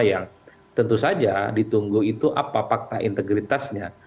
yang tentu saja ditunggu itu apa fakta integritasnya